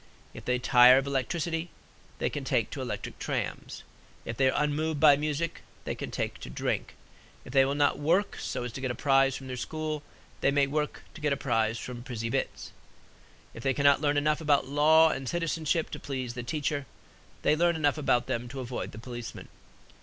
If they tire of electricity, they can take to electric trams. If they are unmoved by music, they can take to drink. If they will not work so as to get a prize from their school, they may work to get a prize from Prizy Bits. If they cannot learn enough about law and citizenship to please the teacher, they learn enough about them to avoid the policeman.